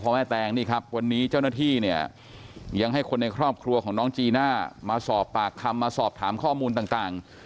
แม่แตงนี่ครับวันนี้เจ้าหน้าที่เนี่ยยังให้คนในครอบครัวของน้องจีน่ามาสอบปากคำมาสอบถามข้อมูลต่าง